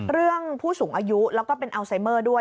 ผู้สูงอายุแล้วก็เป็นอัลไซเมอร์ด้วย